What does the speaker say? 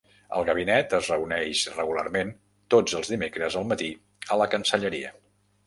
El gabinet es reuneix regularment tots els dimecres al matí a la Cancelleria.